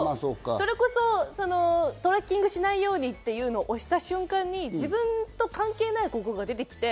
それこそトラッキングしないようにというのを押した瞬間に自分と関係ない広告が出てきて、